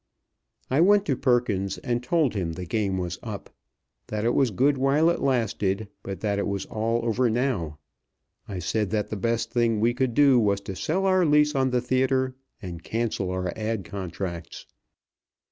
I went to Perkins and told him the game was up that it was good while it lasted, but that it was all over now. I said that the best thing we could do was to sell our lease on the theatre and cancel our ad. contracts.